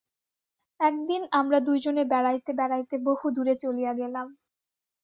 একদিন আমারা দুইজনে বেড়াইতে বেড়াইতে বহুদূরে চলিয়া গেলাম।